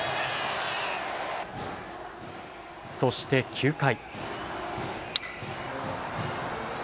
そして９回。